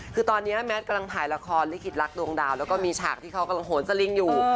คือตอนนี้แมทกำลังถ่ายละครลิขิตรักดวงดาวแล้วก็มีฉากที่เขากำลังโหนสลิงอยู่